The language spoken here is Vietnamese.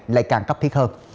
lại càng cấp thiết hơn